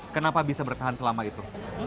kenapa bisa bertahan selama itu